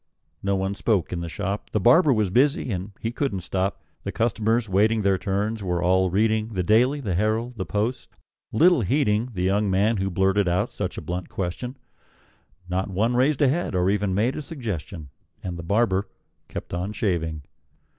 No one spoke in the shop: The barber was busy, and he couldn't stop; The customers, waiting their turns, were all reading The "Daily," the "Herald," the "Post," little heeding The young man who blurted out such a blunt question; Not one raised a head, or even made a suggestion; And the barber kept on shaving.